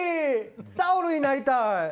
タオルになりたい！